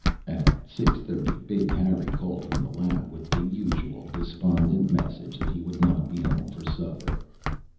At six thirty, Big Harry called from the lab, with the usual despondent message that he would not be home for supper.